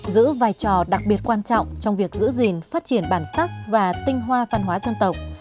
giữ vai trò đặc biệt quan trọng trong việc giữ gìn phát triển bản sắc và tinh hoa văn hóa dân tộc